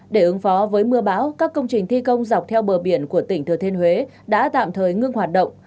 để ứng phó với mưa bão các công trình thi công dọc theo bờ biển của tỉnh thừa thiên huế đã tạm thời ngưng hoạt động